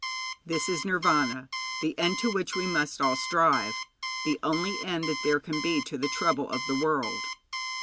This is Nirvana, the end to which we must all strive, the only end that there can be to the trouble of the world.